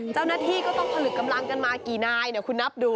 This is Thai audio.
เจ้าหน้าที่ก็ต้องผลึกกำลังกันมากี่นายเนี่ยคุณนับดู